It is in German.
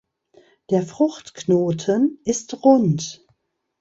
Der Fruchtknoten ist rund.